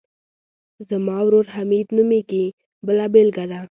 زما ورور حمید نومیږي بله بېلګه ده.